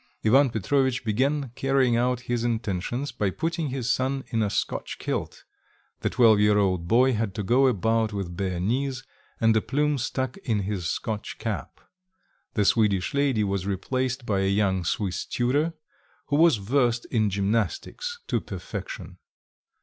Ivan Petrovitch began carrying out his intentions by putting his son in a Scotch kilt; the twelve year old boy had to go about with bare knees and a plume stuck in his Scotch cap. The Swedish lady was replaced by a young Swiss tutor, who was versed in gymnastics to perfection.